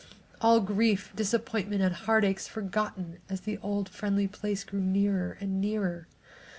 All grief, disappointment and heartaches forgotten as the old friendly place grew nearer and nearer.